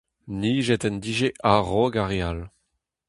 Nijet en dije a-raok ar re all.